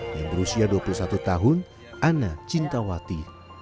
yang berusia dua puluh satu tahun ana cintawati